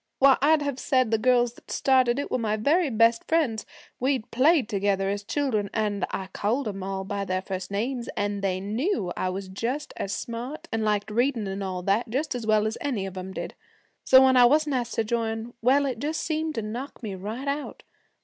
Why, I'd have said the girls that started it were my very best friends. We'd played together as children, and I called 'em all by their first names, and they knew I was just as smart, an' liked readin' an' all that just as well as any of 'em did. So when I wasn't asked to join well, it just seemed to knock me right out.